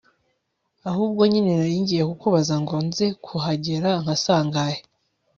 ahubwo nyine naringiye kukubaza ngo nze kuhagera nka saa ngahe!